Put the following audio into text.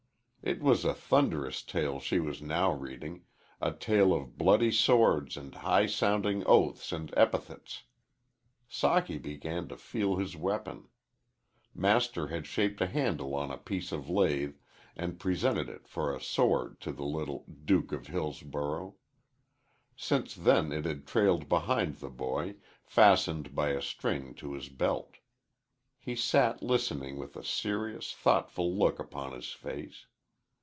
It was a thunderous tale she was now reading a tale of bloody swords and high sounding oaths and epithets. Socky began to feel his weapon. Master had shaped a handle on a piece of lath and presented it for a sword to the little "Duke of Hillsborough." Since then it had trailed behind the boy, fastened by a string to his belt. He sat listening with a serious, thoughtful look upon his face.